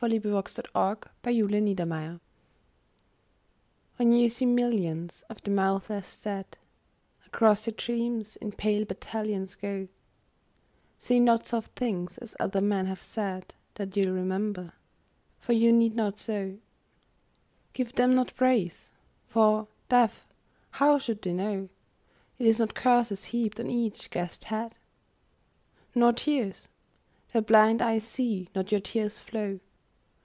XCI The Army of Death WHEN you see millions of the mouthless dead Across your dreams in pale battalions go, Say not soft things as other men have said, That you'll remember. For you need not so. Give them not praise. For, deaf, how should they know It is not curses heaped on each gashed head ? Nor tears. Their blind eyes see not your tears flow.